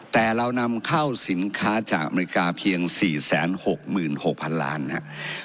แต่เรานำเข้าสินค้าจากอเมริกาเพียงสี่แสนหกหมื่นหกพันล้านครับ